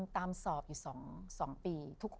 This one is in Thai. ตามสอบอยู่๒ปี